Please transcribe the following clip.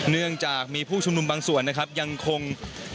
เนื่องจากมีผู้ชุมนุมบางส่วนนะครับยังคง